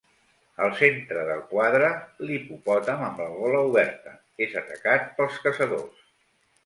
Al centre del quadre, l'hipopòtam amb la gola oberta, és atacat pels caçadors.